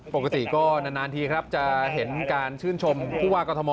ปกติก็นานทีครับจะเห็นการชื่นชมผู้ว่ากรทม